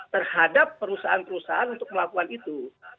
terhadap perusahaan perusahaan untuk melakukan itu